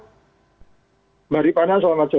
selamat sore mbak rifana